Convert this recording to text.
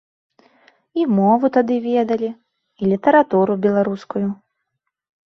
І мову тады ведалі, і літаратуру беларускую.